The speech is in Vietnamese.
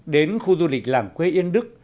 đến khu du lịch làng quê yên đức